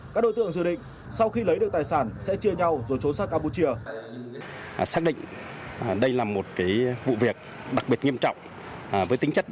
các đối tượng dự định sau khi lấy được tài sản sẽ chia nhau rồi trốn sang campuchia